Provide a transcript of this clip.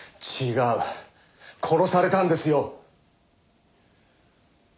殺されたんですよ。